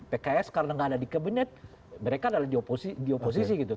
pks karena nggak ada di kabinet mereka adalah di oposisi gitu